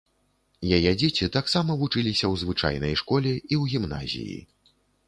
Яе дзеці таксама вучыліся ў звычайнай школе і ў гімназіі.